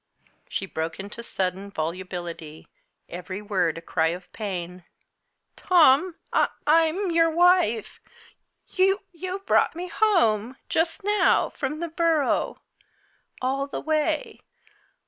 She broke into sudden volubility, every word a cry of pain. "Tom, I'm I'm your wife! You you brought me home! Just now! from the Borough! all the way!